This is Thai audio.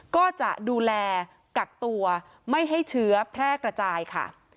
ก็จะดูแลกักตัวไม่ให้เชื้อแพร่กระจายค่ะ